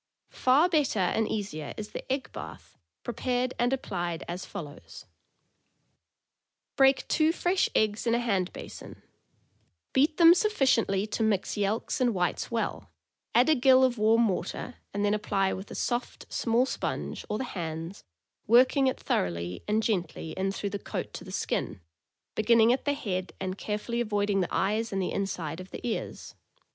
Far better and easier is the egg bath, pre pared and applied as follows: Break two fresh eggs in a 502 THE AMERICAN BOOK OF THE DOG. hand basin; beat them sufficiently to mix yelks and whites well, add a gill of warm water, and then apply with a soft, small sponge, or the hands, working it thoroughly and gen tly in through the coat to the skin, beginning at the head, and carefully avoiding the eyes and the inside of the ears.